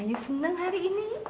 you senang hari ini